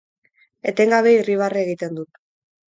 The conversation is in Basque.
Etengabe irribarre egiten dut.